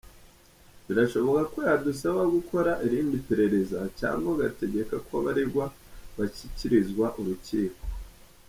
Birashoboka ko yadusaba gukora irindi perereza cyangwa agategeka ko abaregwa bashyikirizwa urukiko.”